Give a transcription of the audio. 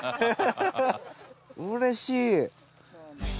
うれしい。